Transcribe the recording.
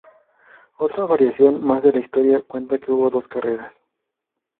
Otra variación más de la historia cuenta que hubo dos carreras.